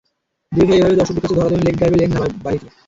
দুই ভাই এভাবেই দর্শকদের কাছে ধরা দেবেন লেক ড্রাইভ লেন ধারাবাহিকে।